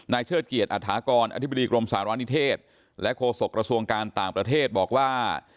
เชิดเกียจอฐากรอธิบดีกรมสารณิเทศและโฆษกระทรวงการต่างประเทศบอกว่า